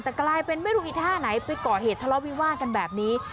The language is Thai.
แต่กลายเป็นไม่รู้อีท่าไหนไปก่อเหตุทะเลาะวิวาดกันแบบนี้